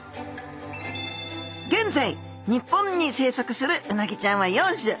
現在日本に生息するうなぎちゃんは４種。